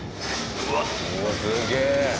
うわっすげえ！